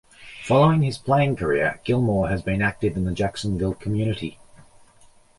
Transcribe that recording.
Following his playing career, Gilmore has been active in the Jacksonville community.